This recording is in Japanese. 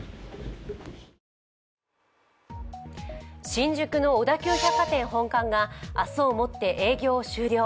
新宿の小田急百貨店本館が明日をもって、営業を終了。